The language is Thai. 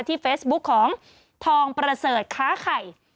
เฟซบุ๊คของทองประเสริฐค้าไข่